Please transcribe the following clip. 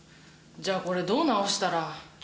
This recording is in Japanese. じゃあこれどう直したら。